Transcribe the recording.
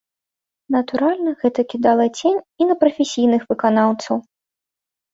Натуральна, гэта кідала цень і на прафесійных выканаўцаў.